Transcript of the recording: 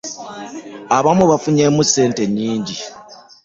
Abamu bafunyemu ssente nnyingi.